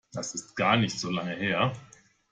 Das ist gar nicht so lange her.